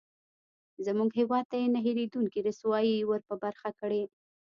زموږ هېواد ته یې نه هېرېدونکې رسوایي ورپه برخه کړې.